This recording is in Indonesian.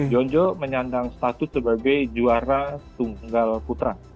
jonjo menyandang status sebagai juara tunggal putra